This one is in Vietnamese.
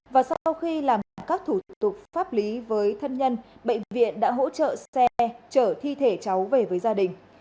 và sau khi làm các thủ tục pháp lý với thân nhân bệnh viện đã hỗ trợ xe trở thi thể cháu về với gia đình